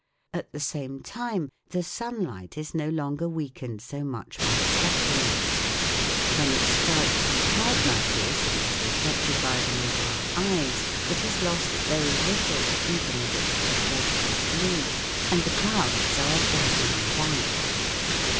At the same time the sunlight is no longer weakened so much by scattering ; when it strikes the cloud masses and is reflected by them into our eyes it has lost very little, even of its proportion of blue, and the clouds are a dazzling white.